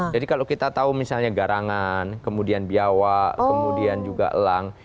jadi kalau kita tahu misalnya garangan kemudian biawa kemudian juga elang